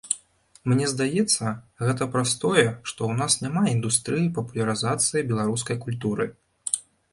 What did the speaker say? Мне здаецца, гэта праз тое, што ў нас няма індустрыі папулярызацыі беларускай культуры.